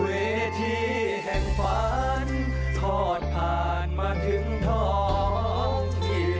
เวทีแห่งฝันทอดผ่านมาถึงท้องที่